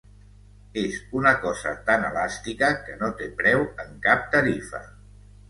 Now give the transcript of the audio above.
És una cosa tan elàstica, que no té preu en cap tarifa